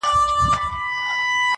• نن مي بيا ټوله شپه.